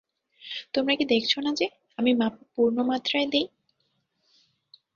তোমরা কি দেখছ না যে, আমি মাপে পূর্ণ মাত্রায় দেই?